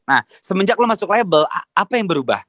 nah semenjak lo masuk label apa yang berubah